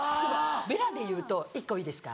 ベラでいうと１個いいですか。